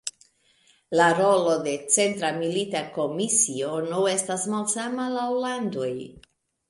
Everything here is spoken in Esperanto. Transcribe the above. La rolo de Centra Milita Komisiono estas malsama laŭ landoj.